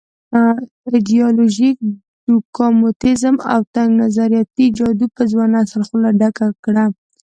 ایډیالوژيک ډوګماتېزم او تنګ نظریاتي جادو په ځوان نسل خوله ډکه کړه.